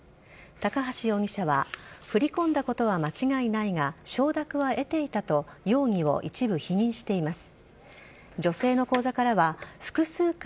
高橋容疑者は振り込んだことは間違いないが承諾は得ていたと容疑を一部否認しています。